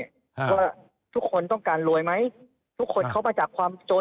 ว่าทุกคนต้องการรวยไหมทุกคนเขามาจากความโจร